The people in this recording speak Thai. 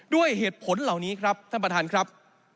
ด้วยเหตุผลเหล่านี้ครับท่านประธานครับ